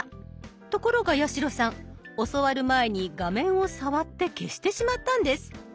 ところが八代さん教わる前に画面を触って消してしまったんです。